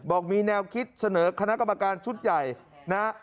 บอกมีแนวคิดเสนอคณะกรรมการชุดใหญ่นะฮะ